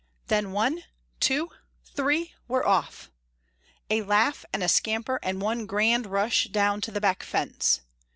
"Then, one two three we're off!" A laugh and a scamper and one grand rush down to the back fence.